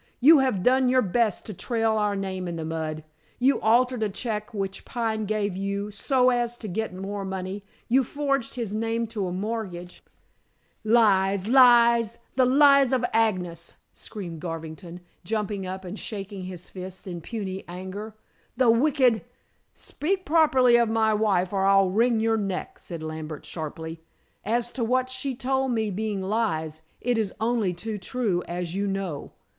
You have done your best to trail our name in the mud. You altered a check which Pine gave you so as to get more money; you forged his name to a mortgage " "Lies, lies, the lies of Agnes!" screamed Garvington, jumping up and shaking his fist in puny anger. "The wicked " "Speak properly of my wife, or I'll wring your neck," said Lambert sharply. "As to what she told me being lies, it is only too true, as you know.